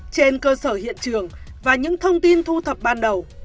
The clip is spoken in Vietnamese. trên cơ sở hiện trường và những thông tin thu thập ban đầu